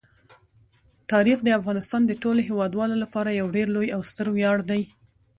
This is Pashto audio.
تاریخ د افغانستان د ټولو هیوادوالو لپاره یو ډېر لوی او ستر ویاړ دی.